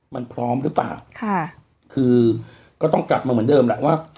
มันพร้อมหรือเปล่าค่ะคือก็ต้องกลับมาเหมือนเดิมแหละว่า